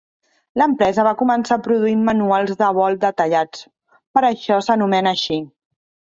L'empresa va començar produint manuals de vol detallats, per això s'anomena així.